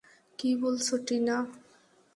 কি বলছ টিনা?